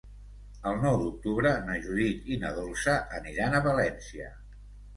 El nou d'octubre na Judit i na Dolça aniran a València.